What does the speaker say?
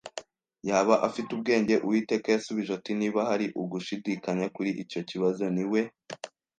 yaba afite ubwenge. ” Uwiteka yasubije ati: “Niba hari ugushidikanya kuri icyo kibazo, ni we.”